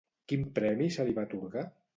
Quin premi se li va atorgar?